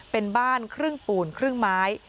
เป็นบ้านครึ่งปูนครึ่งไม้